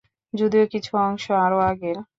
যদিও কিছু অংশ আরো আগের।